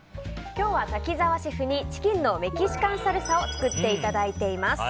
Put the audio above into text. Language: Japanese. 今日は滝沢シェフにチキンのメキシカンサルサを作っていただいています。